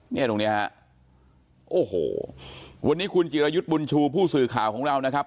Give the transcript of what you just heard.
เนี่ยตรงเนี้ยฮะโอ้โหวันนี้คุณจิรยุทธ์บุญชูผู้สื่อข่าวของเรานะครับ